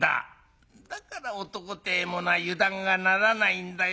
だから男てえものは油断がならないんだよ